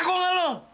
ngaku nggak lu